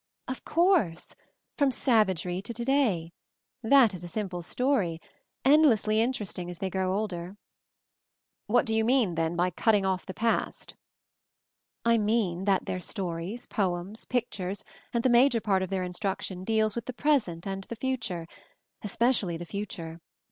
"Of course; from savagery to to day— that is a simple story, endlessly interesting as they grow older." "What do you mean, then, by cutting off the past?" "I mean that their stories, poems, pictures, and the major part of their instruction deals with the present and future — especially the future.